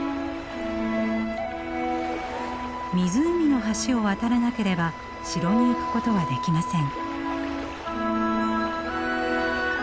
湖の橋を渡らなければ城に行くことはできません。